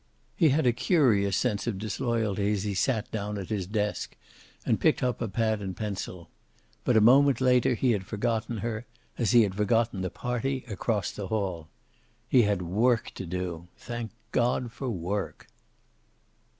He had a curious sense of disloyalty as he sat down at his desk and picked up a pad and pencil. But a moment later he had forgotten her, as he had forgotten the party across the hall. He had work to do. Thank God for work.